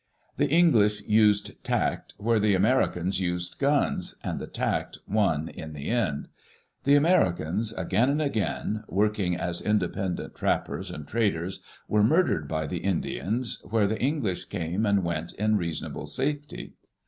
The English used tact where the Americans used guns, and the tact won in the end. The Americans, again and again, working as independent trappers and traders, were murdered by the Indians, where the English came and went in reasonable safety.